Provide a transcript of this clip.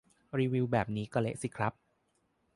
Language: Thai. รีวิวแบบนี้ก็เละสิครับ